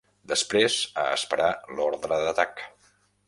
Després, a esperar l'ordre d'atac